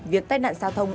việc tai nạn giao thông